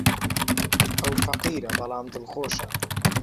ئەو فەقیرە، بەڵام دڵخۆشە.